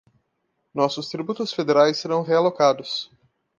Nossos tributos federais serão realocados